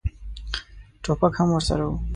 ټوپک هم ورسره و.